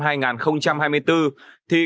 thì công dân được đi cấp đổi thẻ